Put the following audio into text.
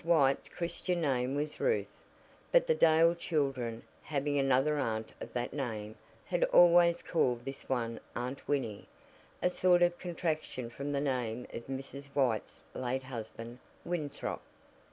White's Christian name was Ruth, but the Dale children, having another aunt of that name, had always called this one Aunt Winnie, a sort of contraction from the name of Mrs. White's late husband Winthrop.